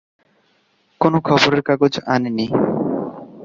কোনো খবরের কাগজ আনি নি?